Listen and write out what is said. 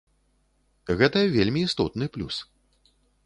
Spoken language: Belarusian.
Гэта вельмі істотны плюс.